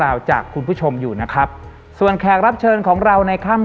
จากคุณผู้ชมอยู่นะครับส่วนแขกรับเชิญของเราในค่ำ